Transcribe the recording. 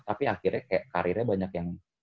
tapi akhirnya kayak karirnya banyak yang